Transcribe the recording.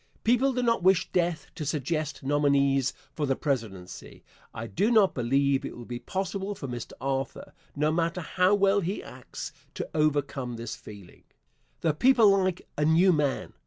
People do not wish death to suggest nominees for the presidency. I do not believe it will be possible for Mr. Arthur, no matter how well he acts, to overcome this feeling. The people like a new man.